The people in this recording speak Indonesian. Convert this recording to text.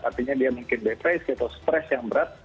artinya dia mungkin depresi atau stres yang berat